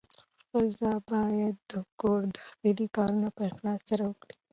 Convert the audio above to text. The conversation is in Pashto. ښځه باید د کور داخلي کارونه په اخلاص سره وکړي.